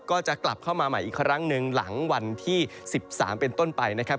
ก็จะกลับเข้ามาใหม่อีกครั้งหนึ่งหลังวันที่๑๓เป็นต้นไปนะครับ